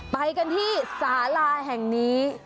ไปกันที่สาลาแห่งนี้